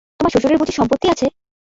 তোমার শ্বশুরের বুঝি সম্পত্তি আছে?